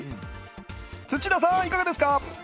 土田さん、いかがですか？